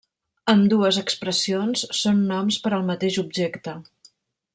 Ambdues expressions són noms per al mateix objecte.